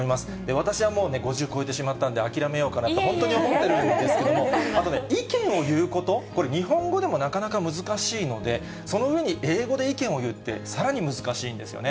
私はもうね、５０こえてしまったんで、諦めようかなと、本当に思ってるんですけれども、あとね、意見を言うこと、これ、日本語でもなかなか難しいので、そのうえに英語で意見を言うって、さらに難しいんですよね。